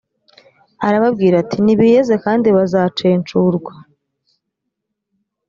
arababwira ati nibiyeze kandi bazacenshurwa